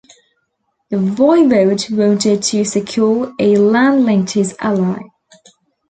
The voivode wanted to secure a land link to his ally.